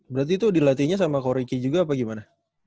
berarti itu dilatihnya sama koriki juga apa gimana